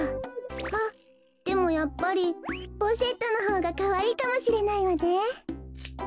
あっでもやっぱりポシェットのほうがかわいいかもしれないわね。